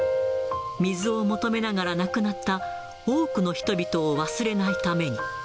水を求めながら亡くなった多くの人々を忘れないために。